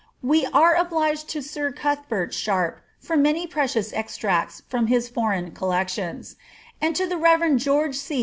We are obliged to sir Cuthbert Sharp for many precious extracts from bis foreign collections, and to the Reverend George G.